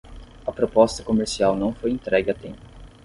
A proposta comercial não foi entregue a tempo